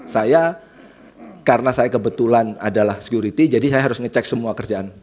saya karena saya kebetulan adalah security jadi saya harus ngecek semua kerjaan